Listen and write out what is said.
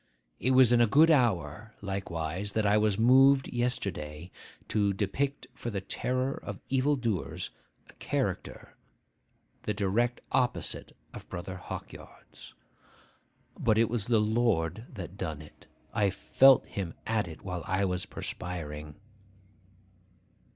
'It was in a good hour, likewise, that I was moved yesterday to depict for the terror of evil doers a character the direct opposite of Brother Hawkyard's. But it was the Lord that done it: I felt him at it while I was perspiring.